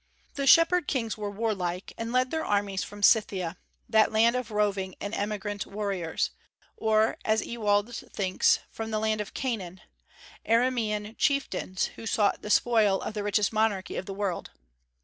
The Shepherd Kings were warlike, and led their armies from Scythia, that land of roving and emigrant warriors, or, as Ewald thinks, from the land of Canaan: Aramaean chieftains, who sought the spoil of the richest monarchy in the world.